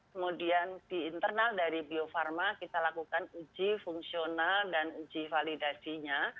kemudian di internal dari bio farma kita lakukan uji fungsional dan uji validasinya